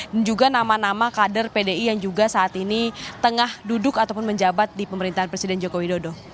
dan juga nama nama kader pdi yang juga saat ini tengah duduk ataupun menjabat di pemerintahan presiden jokowi dodo